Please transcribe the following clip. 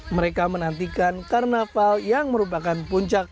mereka menantikan karnaval yang merupakan puncak